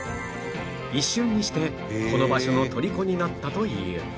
一瞬にしてこの場所の虜になったという